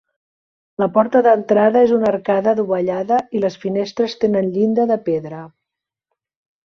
La porta d'entrada és una arcada dovellada i les finestres tenen llinda de pedra.